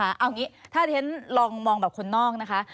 เอาอย่างนี้ถ้าฉันลองมองแบบคนนอกนะคะ